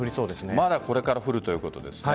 まだこれから降るということですね。